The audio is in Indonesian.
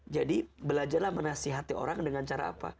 jadi belajarlah menasehati orang dengan cara apa